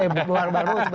eh luar bang luts